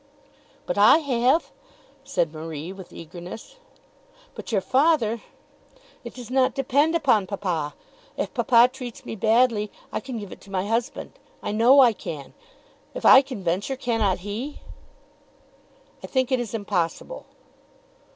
"But I have," said Marie with eagerness. "But your father " "It does not depend upon papa. If papa treats me badly, I can give it to my husband. I know I can. If I can venture, cannot he?" "I think it is impossible."